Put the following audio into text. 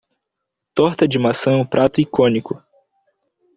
Torta de maçã é um prato icônico.